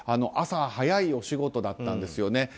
朝早いお仕事だったんですよね。